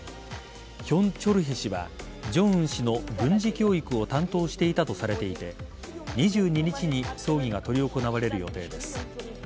ヒョン・チョルヘ氏は正恩氏の軍事教育を担当していたとされていて２２日に葬儀が執り行われる予定です。